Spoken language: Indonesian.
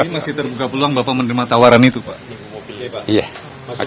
masih terbuka peluang bapak menerima tawaran itu pak